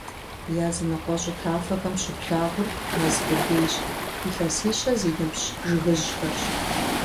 Языныкъуэ щӀы тафэхэм щыплъагъур мэз къудейщ, илъэсищэ зи ныбжь жыгыжьхэрщ.